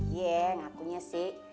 iya ngakunya sih